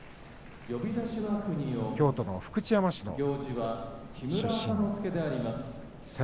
京都の福知山市の出身です。